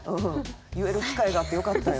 言える機会があってよかったよ。